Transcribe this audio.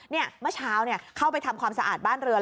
เมื่อเช้าเข้าไปทำความสะอาดบ้านเรือน